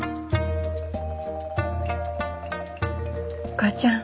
お母ちゃん。